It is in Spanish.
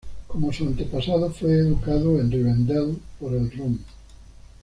Como sus antepasados, fue educado en Rivendel por Elrond.